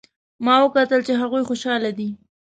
ما وکتل چې هغوی خوشحاله دي